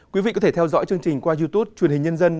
quý vị có thể theo dõi chương trình qua youtube truyền hình nhân dân